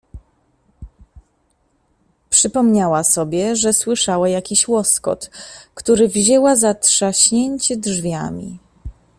"Przypomniała sobie, że słyszała jakiś łoskot, który wzięła za trzaśnięcie drzwiami."